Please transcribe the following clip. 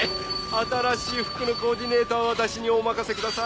新しい服のコーディネートは私にお任せください。